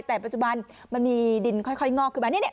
แต่ปัจจุบันมันมีดินค่อยงอกขึ้นมาเนี่ย